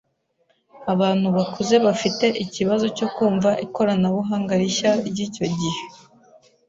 Abantu bakuze bafite ikibazo cyo kumva ikoranabuhanga rishya ryicyo gihe.